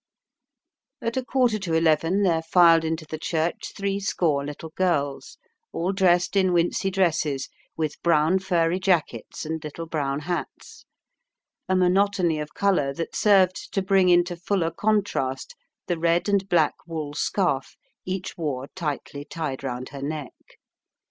At a quarter to eleven there filed into the church threescore little girls, all dressed in wincey dresses, with brown, furry jackets and little brown hats, a monotony of colour that served to bring into fuller contrast the red and black wool scarf each wore tightly tied round her neck.